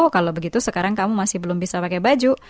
kalau begitu sekarang kamu masih belum bisa pakai baju